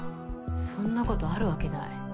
そんなことあるわけない。